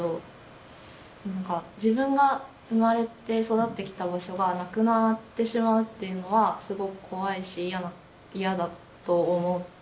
自分が生まれて育ってきた場所がなくなってしまうっていうのはすごく怖いし嫌だと思うし。